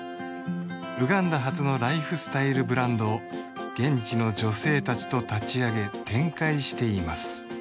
ウガンダ発のライフスタイルブランドを現地の女性達と立ち上げ展開しています